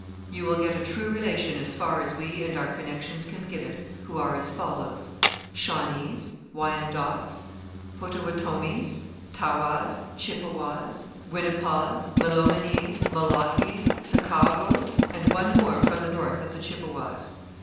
You will get a true relation as far as we and our connections can give it, who are as follows: Shawnees, Wyandots, Potawatomis, Tawas, Chippewas, Winnepaus, Malominese, Malockese, Sacawgoes, and one more from the north of the Chippewas.